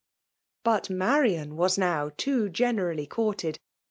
But Marian was now too generally courted^